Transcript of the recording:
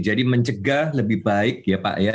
jadi mencegah lebih baik ya pak ya